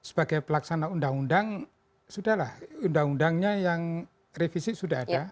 sebagai pelaksana undang undang sudah lah undang undangnya yang revisi sudah ada